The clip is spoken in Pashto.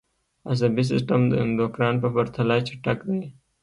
عصبي سیستم د اندوکراین په پرتله چټک دی